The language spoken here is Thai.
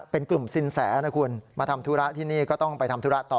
เป็นกลุ่มสินแสนะคุณมาทำธุระที่นี่ก็ต้องไปทำธุระต่อ